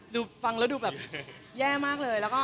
ดูฟังแล้วดูแบบแย่มากเลยแล้วก็